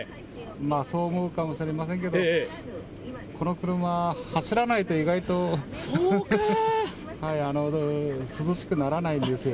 まあ、そう思うかもしれませんけど、この車は走らないと意外と涼しくならないんですよ。